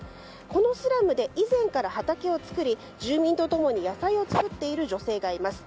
このスラムで以前から畑を作り住民と共に野菜を作っている女性がいます。